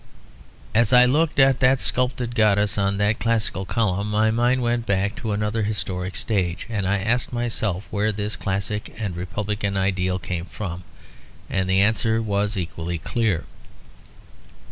As I looked at that sculptured goddess on that classical column, my mind went back another historic stage, and I asked myself where this classic and republican ideal came from, and the answer was equally clear.